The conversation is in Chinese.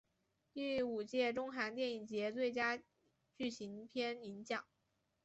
第五届中韩电影节最佳剧情片银奖。